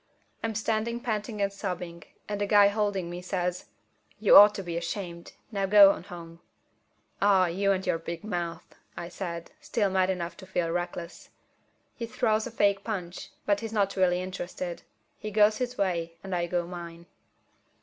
I'm standing panting and sobbing, and the guy holding me says, "You oughta be ashamed. Now go on home." "Aw, you and your big mouth," I say, still mad enough to feel reckless. He throws a fake punch, but he's not really interested. He goes his way, and I go mine.